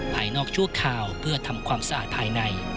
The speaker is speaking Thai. ภายนอกชั่วคราวเพื่อทำความสะอาดภายใน